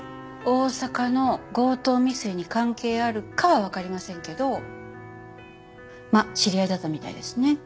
大阪の強盗未遂に関係あるかはわかりませんけどまあ知り合いだったみたいですね。